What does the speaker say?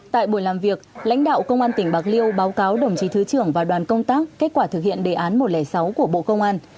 tại buổi làm việc lãnh đạo công an tỉnh bạc liêu báo cáo đồng chí thứ trưởng và đoàn công tác kết quả thực hiện đề án một trăm linh sáu của bộ công an